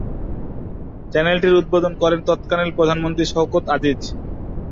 চ্যানেলটির উদ্বোধন করেন তৎকালীন প্রধানমন্ত্রী শওকত আজিজ।